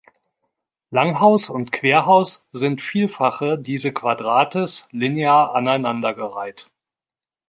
Langhaus und Querhaus sind Vielfache diese Quadrates, linear aneinander gereiht.